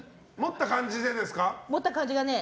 持った感じだね。